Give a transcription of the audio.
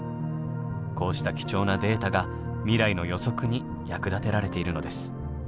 こうした貴重なデータが未来の予測に役立てられているのです。